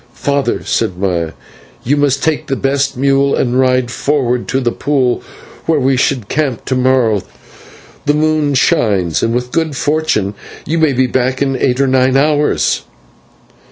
"Father," said Maya, "you must take the best mule and ride forward to the pool where we should camp to morrow. The moon shines, and with good fortune you may be back in eight or nine hours."